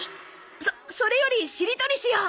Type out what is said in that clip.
そそれよりしりとりしよう。